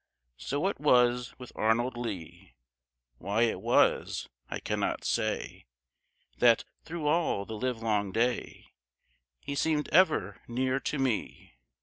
So it was with Arnold Lee. Why it was I cannot say That, through all the livelong day He seemed ever near to me.